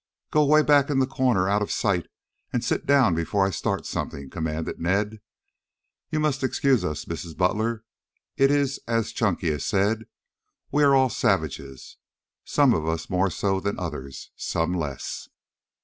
"Go way back in the corner out of sight and sit down before I start something," commanded Ned. "You must excuse us, Mrs. Butler. It is as Chunky has said. We are all savages some of us more so than others, some less."